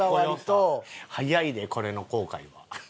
早いでこれの後悔は。